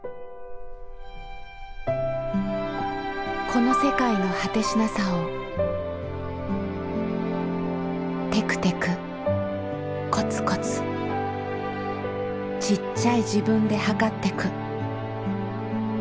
この世界の果てしなさをてくてくこつこつちっちゃい自分で測ってく。